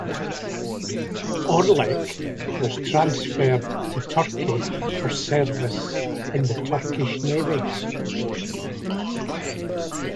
"Orleck" was transferred to Turkey for service in the Turkish Navy.